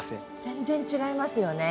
全然違いますよね。